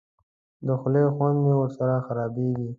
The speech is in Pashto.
د خولې خوند مې ورسره خرابېږي.